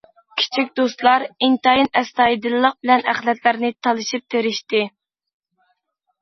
كىچىك دوستلار ئىنتايىن ئەستايىدىللىق بىلەن ئەخلەتلەرنى تالىشىپ تېرىشتى.